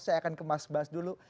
saya akan ke mas bas dulu